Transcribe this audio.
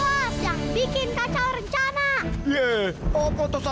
apa yang kamu backup tadi